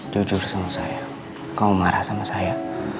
jujur sama saya kau marah sama saya